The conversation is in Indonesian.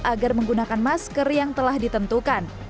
agar menggunakan masker yang telah ditentukan